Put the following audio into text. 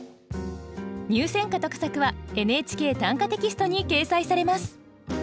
入選歌と佳作は「ＮＨＫ短歌」テキストに掲載されます